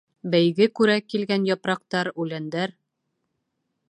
Бәйге күрә килгән япраҡтар, үләндәр: